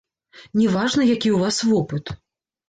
Не важна, які ў вас вопыт.